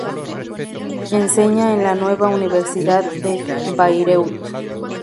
Enseña en la nueva Universidad de Bayreuth.